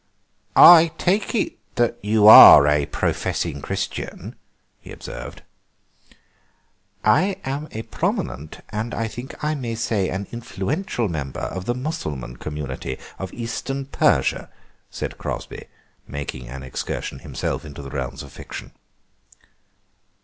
"I take it that you are a professing Christian," he observed. "I am a prominent and I think I may say an influential member of the Mussulman community of Eastern Persia," said Crosby, making an excursion himself into the realms of fiction.